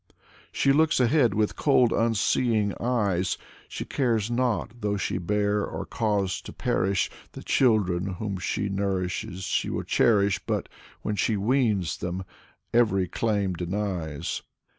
She looks ahead with cold unseeing eyes ; She cares not though she bear or cause to perish; The children whom she nurtures she will cherish, But when she weans them, every claim denies.